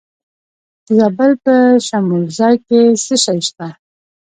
د زابل په شمولزای کې څه شی شته؟